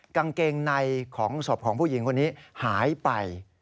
กางเกงในของศพของผู้หญิงคนนี้หายไป